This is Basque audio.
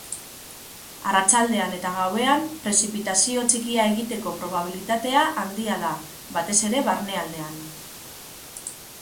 Arratsaldean eta gauean prezipitazio txikia egiteko probabilitatea handia da, batez ere barnealdean.